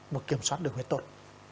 một kiểm soát được hơi tốt